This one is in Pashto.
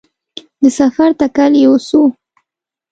د سفر تکل یې وسو